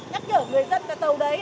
nhắc nhở người dân là tàu đấy